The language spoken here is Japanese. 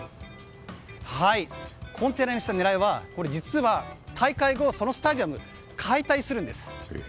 コンテナにした狙いは実は、大会後そのスタジアム、解体するんです。